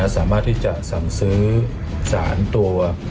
สามารถที่จะสั่งซื้อสารตัว